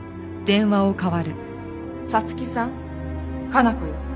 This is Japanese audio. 彩月さん佳菜子よ。